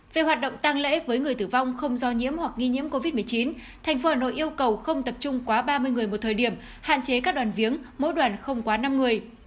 về hoạt động tăng lễ với người tử vong không do nhiễm hoặc nghi nhiễm covid một mươi chín thành phố hà nội yêu cầu không tập trung quá ba mươi người một thời điểm hạn chế các đoàn viếng mỗi đoàn không quá năm người